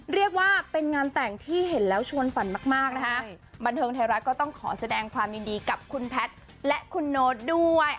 เรียกว่าเป็นงานแต่งที่เห็นแล้วชวนฝันมากมากนะคะบันเทิงไทยรัฐก็ต้องขอแสดงความยินดีกับคุณแพทย์และคุณโน๊ตด้วย